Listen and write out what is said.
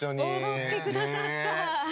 踊ってくださった。